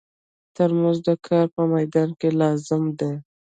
ترموز د کار په مېدان کې لازم دی.